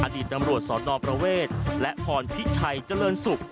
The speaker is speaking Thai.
ตำรวจสนประเวทและพรพิชัยเจริญศุกร์